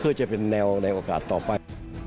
เพื่อจะเป็นแนวในโอกาสต่อไป